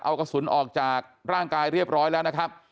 เอากระสุนออกจากร่างกายเรียบร้อยแล้วนะครับ